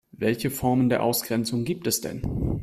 Welche Formen der Ausgrenzung gibt es denn?